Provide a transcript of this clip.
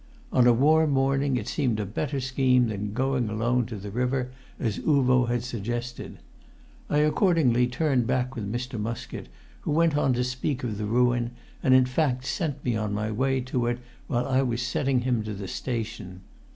On a warm morning it seemed a better scheme than going alone upon the river, as Uvo had suggested. I accordingly turned back with Mr. Muskett, who went on to speak of the ruin, and in fact set me on my way to it while I was setting him to the station.